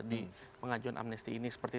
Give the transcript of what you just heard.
di pengajuan amnesti ini seperti